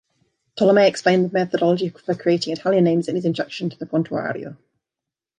Tolomei explained the methodology for creating Italian names in his introduction to the "Prontuario".